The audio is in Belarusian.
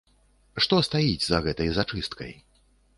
Што стаіць за гэтай зачысткай?